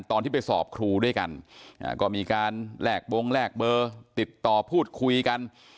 ตอนที่ไปสอบครูด้วยกันก็มีการแลกบงแลกเบอร์ติดต่อพูดคุยกัน